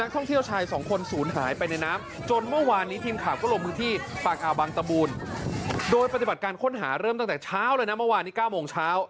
เริ่มตั้งแต่เช้าเลยนะเมื่อวานนี้๙โมงเช้า